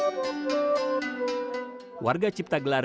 yang dipakai di mana